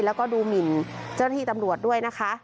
แล้วก็ดูหมินเจ้าหน้าที่ตำรวจด้วยนะคะ